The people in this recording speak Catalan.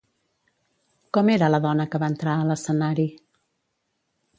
Com era la dona que va entrar a l'escenari?